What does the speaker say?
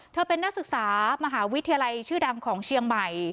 เป็นนักศึกษามหาวิทยาลัยชื่อดังของเชียงใหม่